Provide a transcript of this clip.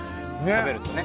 食べるとね。